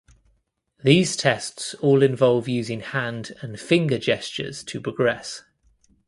These tests all involve using hand and finger gestures to progress.